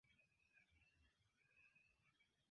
Li studis en la Universitato Sorbonne en Parizo.